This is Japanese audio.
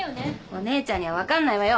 お姉ちゃんには分かんないわよ。